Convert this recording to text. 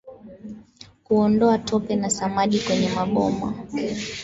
Kuondoa tope na samadi kwenye maboma